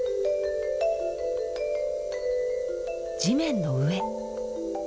地面の上。